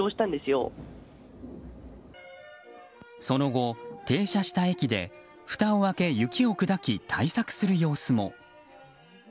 その後、停車した駅でふたを開け雪を砕き対策する様子も。